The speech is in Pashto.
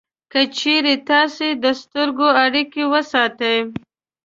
که چېرې تاسې د سترګو اړیکه وساتئ